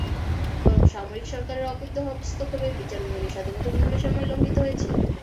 বরং সামরিক সরকারের অবৈধ হস্তক্ষেপে বিচার বিভাগের স্বাধীনতা বিভিন্ন সময় লঙ্ঘিত হয়েছে।